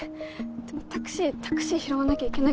でもタクシータクシー拾わなきゃいけない。